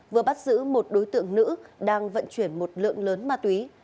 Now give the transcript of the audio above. vừa bắt giữ một đối tượng nữ đang vận chuyển một lượng lớn ma túy